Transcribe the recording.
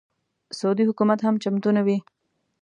سعودي حکومت هم چمتو نه وي.